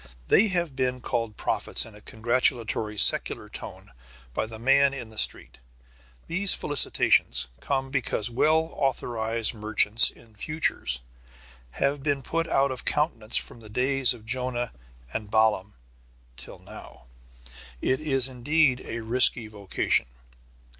They have been called prophets in a congratulatory secular tone by the man in the street. These felicitations come because well authorized merchants in futures have been put out of countenance from the days of Jonah and Balaam till now. It is indeed a risky vocation.